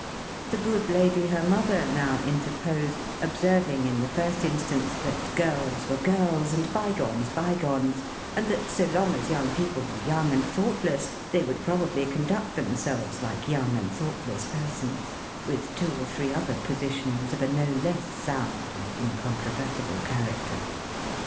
The good lady her mother now interposed: observing, in the first instance, that girls were girls, and byegones byegones, and that so long as young people were young and thoughtless, they would probably conduct themselves like young and thoughtless persons: with two or three other positions of a no less sound and incontrovertible character.